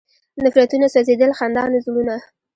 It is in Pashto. نفرتونه سوځېدل، خندان و زړونه